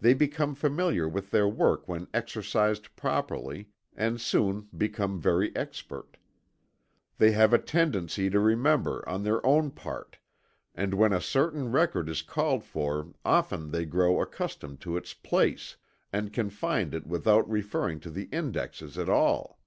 They become familiar with their work when exercised properly, and soon become very expert. They have a tendency to remember, on their own part, and when a certain record is called for often they grow accustomed to its place, and can find it without referring to the indexes at all.